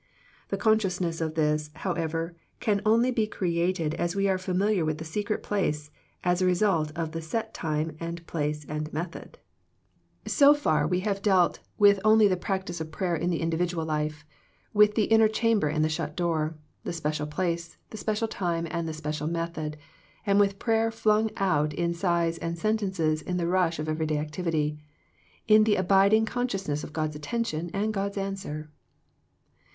The consciousness of this, however, can only be created as we are familiar with the secret place as a result of the set time and place and method. 114 THE PEACTIOE OF PEAYER So far we have dealt with only the practice of prayer in the individual life, with the inner chamber and the shut door, the special place, the special time and the special method, and with prayer flung out in sighs and sentences in the rush of every day activity, in the abiding con sciousness of God's attention and God's answer.